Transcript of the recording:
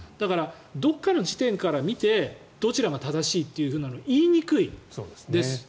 どこかの時点から見てどちらが正しいというのは言いにくいです。